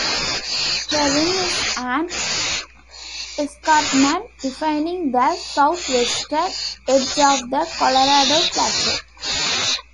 The Rim is an escarpment defining the southwestern edge of the Colorado Plateau.